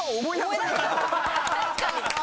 確かに。